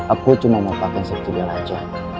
aku cuma mau pake sip cedol aja